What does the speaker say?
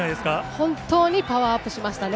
本当にパワーアップしましたね。